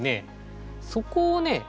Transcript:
そこをね